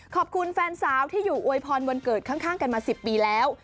แฟนสาวที่อยู่อวยพรวันเกิดข้างกันมา๑๐ปีแล้ว